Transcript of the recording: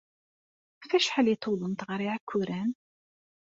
Ɣef wacḥal ay tewwḍemt ɣer Iɛekkuren?